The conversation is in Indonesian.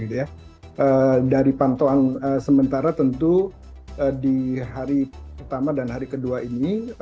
dari pantauan sementara tentu di hari pertama dan hari kedua ini